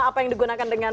apa yang digunakan dengan